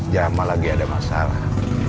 jam lagi ada masalah